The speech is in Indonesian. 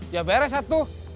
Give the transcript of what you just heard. ya beres satu